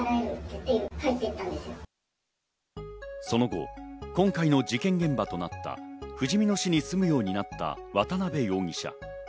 その後、今回の事件現場となったふじみ野市に住むようになった渡辺容疑者。